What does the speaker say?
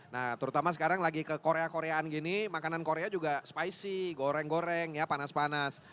nah terutama sekarang lagi ke korea koreaan gini makanan korea juga spicy goreng goreng ya panas panas